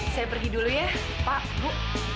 saya pergi dulu ya pak bu